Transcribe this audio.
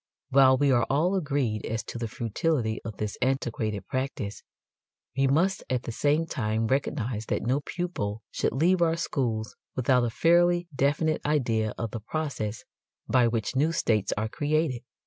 While we are all agreed as to the futility of this antiquated practice we must at the same time recognize that no pupil should leave our schools without a fairly definite idea of the process by which new states are created.